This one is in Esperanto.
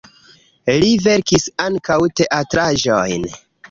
Li verkis ankaŭ teatraĵojn.